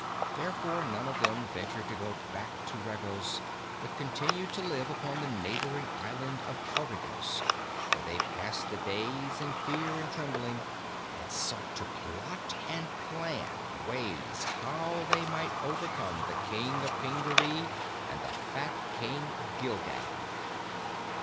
Therefore none of them ventured to go back to Regos but continued to live upon the neighboring island of Coregos, where they passed the days in fear and trembling and sought to plot and plan ways how they might overcome the Prince of Pingaree and the fat King of Gilgad.